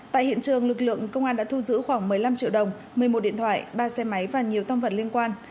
tại hiện trường lực lượng công an đã thu giữ khoảng một mươi năm triệu đồng một mươi một điện thoại ba xe máy và nhiều tâm vật liên quan